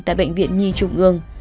tại bệnh viện nhi trung ương